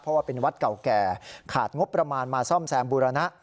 เพราะว่าเป็นวัดเก่าแก่ขาดงบประมาณมาซ่อมแซมบูรณะ